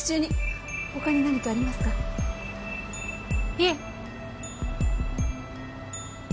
いえ。